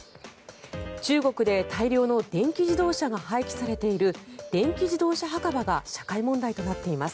中国で大量の電気自動車が廃棄されている電気自動車墓場が社会問題となっています。